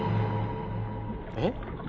えっ？